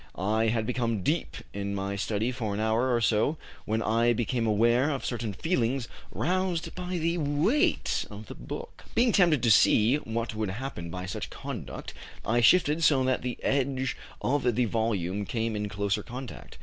I had become deep in my study for an hour or so when I became aware of certain feelings roused by the weight of the book. Being tempted to see what would happen by such conduct, I shifted so that the edge of the volume came in closer contact.